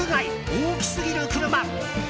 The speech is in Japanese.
大きすぎる車。